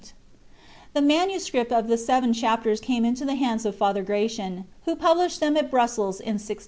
t The manuscript of the seven Chapters came into the hands of Father Gracian, who published them at Brussels, in 1612.